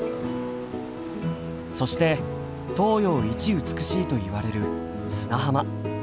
そして東洋一美しいといわれる砂浜。